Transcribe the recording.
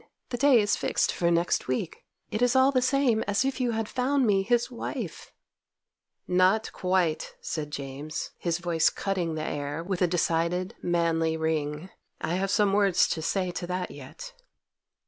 The day is fixed for next week. It is all the same as if you had found me his wife!' 'NOT QUITE,' said James, his voice cutting the air with a decided, manly ring. 'I have some words to say to that yet.